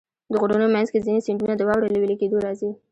د غرونو منځ کې ځینې سیندونه د واورې له وېلې کېدو راځي.